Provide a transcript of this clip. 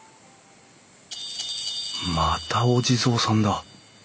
またお地蔵さんだ。